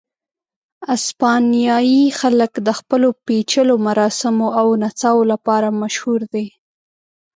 اسپانیایي خلک د خپلو پېچلیو مراسمو او نڅاو لپاره مشهور دي.